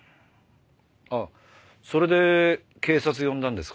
あっそれで警察呼んだんですか？